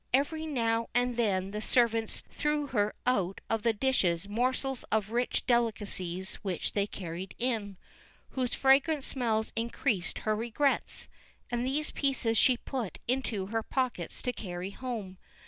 Every now and then the servants threw her out of the dishes morsels of rich delicacies which they carried in, whose fragrant smells increased her regrets, and these pieces she put into her pockets to carry home.